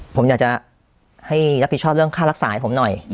ผมอยากจะให้รับผิดชอบเรื่องค่ารักษาให้ผมหน่อย